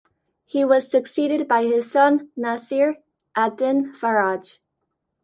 He was succeeded by his son Nasir-ad-Din Faraj.